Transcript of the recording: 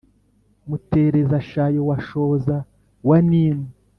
Mutereza-shayo wa Shoza wa nimu